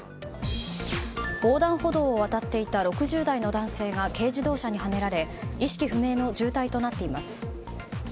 横断歩道を渡っていた６０代の男性が軽自動車にはねられ意識不明の重体となっています。